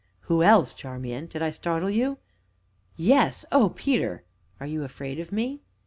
"Who else, Charmian? Did I startle you?" "Yes oh, Peter!" "Are you afraid of me?"